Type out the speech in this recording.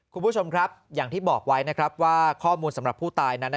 คุณผู้ชมครับอย่างที่บอกไว้นะครับว่าข้อมูลสำหรับผู้ตายนั้น